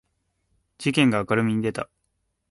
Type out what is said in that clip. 事件が明るみに出た